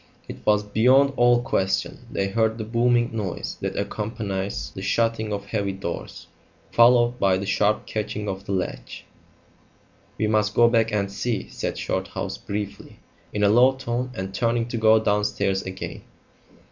It was beyond all question; they heard the booming noise that accompanies the shutting of heavy doors, followed by the sharp catching of the latch. "We must go back and see," said Shorthouse briefly, in a low tone, and turning to go downstairs again.